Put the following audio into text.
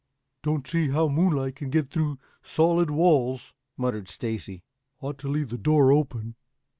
"Don't see how moonlight can get through solid walls," muttered Stacy. "Ought to leave the door open."